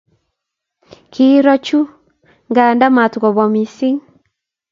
Kiiro chu nganda matukobwa missing